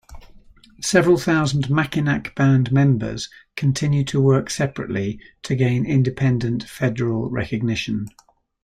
Several thousand Mackinac Band members continue to work separately to gain independent federal recognition.